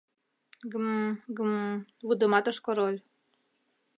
— Гм, гм… — вудыматыш король.